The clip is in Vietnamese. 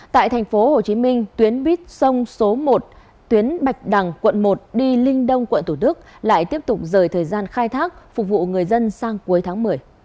tại thành phố hồ chí minh tuyến buýt sông số một tuyến bạch đằng quận một đi linh đông quận thủ đức lại tiếp tục rời thời gian khai thác phục vụ người dân sang cuối tháng một mươi